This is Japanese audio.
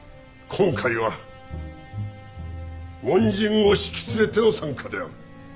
今回は門人を引き連れての参加である。